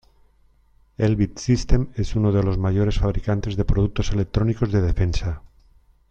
Elbit Systems es uno de los mayores fabricantes de productos electrónicos de defensa.